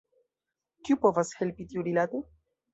Kiu povas helpi tiurilate?